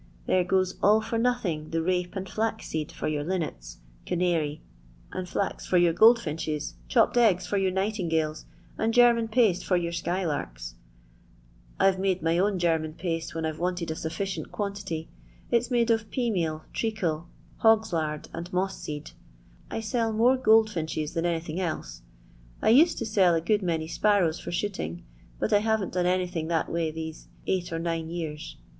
There goes all for nothing pt and flax seed for your linnets, canary and V your goldfinches, chopped eggs for your Dgales, and German paste for your sky larks. nada my own Qerman paste when I 'to d a anffieiant quantity. It 's made of pea traaela, hog's krd, and moss seed. I sell goldfinchai than anything else. I used to good many sparrows for shooting, but I 'C dona anything that way these eight or fwrs.